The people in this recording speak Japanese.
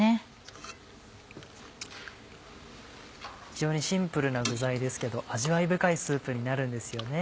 非常にシンプルな具材ですけど味わい深いスープになるんですよね。